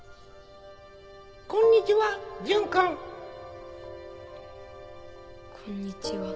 こんにちは純くん。こんにちは。